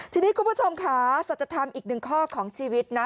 ทีนี้คุณผู้ชมค่ะสัจธรรมอีกหนึ่งข้อของชีวิตนะ